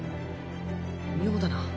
妙だな。